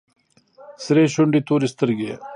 سرې شونډې تورې سترگې.